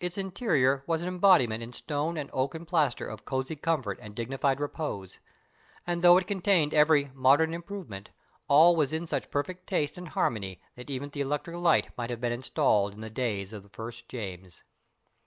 Its interior was an embodiment in stone and oak and plaster of cosy comfort and dignified repose, and, though it contained every "modern improvement," all was in such perfect taste and harmony that even the electric light might have been installed in the days of the first James.